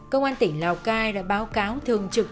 công an tỉnh lào cai đã báo cáo thường trực